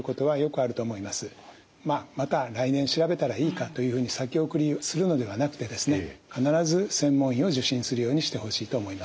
まあまた来年調べたらいいかというふうに先送りするのではなくて必ず専門医を受診するようにしてほしいと思います。